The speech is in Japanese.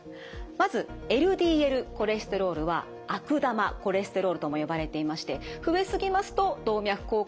まずＬＤＬコレステロールは悪玉コレステロールとも呼ばれていまして増え過ぎますと動脈硬化を引き起こします。